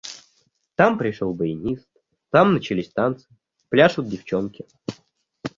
Там пришел баянист, там начались танцы – пляшут девчонки.